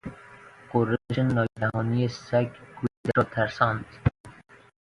غرش ناگهانی سگ کودک را ترساند.